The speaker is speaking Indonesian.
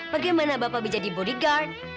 bagaimana bapak bisa jadi bodyguard